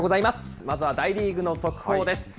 まずは大リーグの速報です。